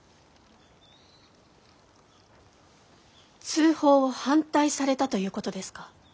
通報を反対されたということですか？